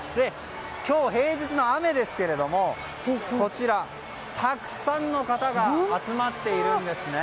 今日、平日の雨ですがこちら、たくさんの方が集まっているんですね。